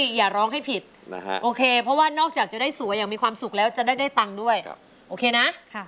อย่าร้องให้ผิดนะฮะโอเคเพราะว่านอกจากจะได้สวยอย่างมีความสุขแล้วจะได้ตังค์ด้วยโอเคนะ